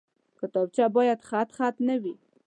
کتابچه باید خطخط نه وي